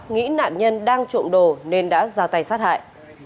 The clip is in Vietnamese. nghĩ nạn nhân đang trộm đồ nên đã ra tay sát hại